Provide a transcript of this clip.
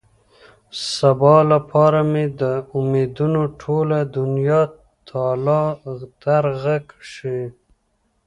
د سبا لپاره مې د امېدونو ټوله دنيا تالا ترغه شي.